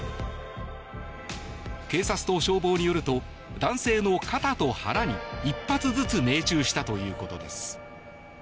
警察と消防によると男性の肩と腹に１発ずつ命中したということです。